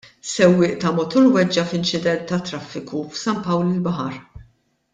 Sewwieq ta' mutur weġġa' f'inċident tat-traffiku f'San Pawl il-Baħar.